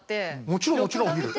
もちろんもちろん見る。